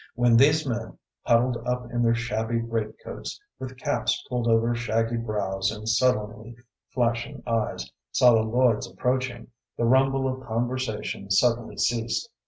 When these men, huddled up in their shabby great coats, with caps pulled over shaggy brows and sullenly flashing eyes, saw the Lloyds approaching, the rumble of conversation suddenly ceased.